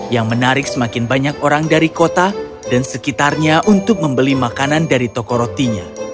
yang menarik semakin banyak orang dari kota dan sekitarnya untuk membeli makanan dari toko rotinya